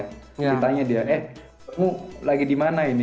saya tanya dia eh kamu lagi di mana ini